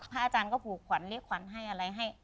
อาจารย์ก็ผูกขวัญเรียกขวัญให้อะไรให้